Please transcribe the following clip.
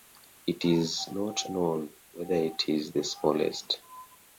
It is not known whether it is the smallest.